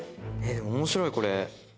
でも面白いこれ。